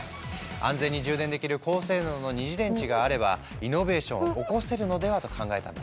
安全に充電できる高性能の二次電池があればイノベーションを起こせるのではと考えたんだって。